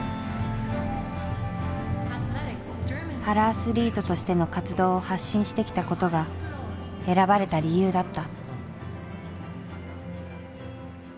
パラアスリートとしての活動を発信してきたことが選ばれた理由だった。